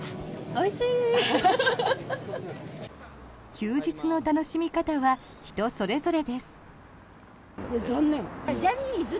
休日の楽しみ方は人それぞれです。